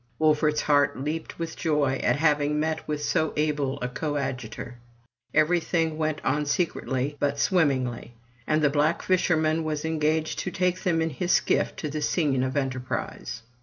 Wolfert's heart leaped with joy at having met with so able a coadjutor. Everything went on secretly, but swimmingly; and the black fisherman was engaged to take them in his skiff to the scene of enterprise.